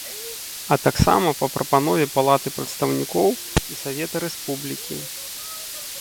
А таксама па прапанове Палаты прадстаўнікоў і Савета Рэспублікі.